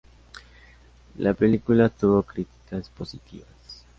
La película tuvo críticas positivas.